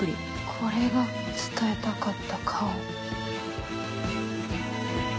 これが伝えたかった顔。